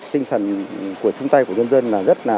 tinh thần của chung tay của nhân dân là rất là